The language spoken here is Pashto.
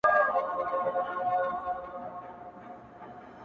• څومره طنازه څومره خوږه یې ,